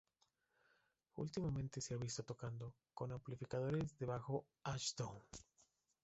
Últimamente ha sido visto tocando con amplificadores de bajo Ashdown.